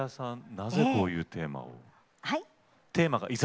なぜ、こういうテーマを？